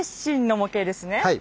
はい。